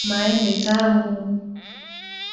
Maembe tamu.